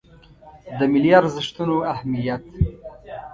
د ملي ارزښتونو اهمیت